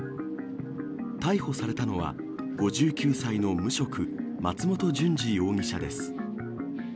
逮捕されたのは、５９歳の無職、松本淳二容疑者です。